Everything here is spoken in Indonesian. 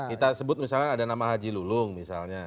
kita sebut misalnya ada nama haji lulung misalnya